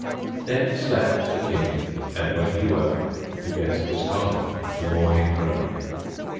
Then slept the King, and when he woke The guest was gone, the morning broke.